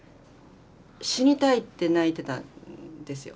死にたいって泣いてたんですよ。